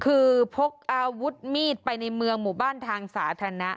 คือพกอาวุธมีดไปในเมืองหมู่บ้านทางสาธารณะ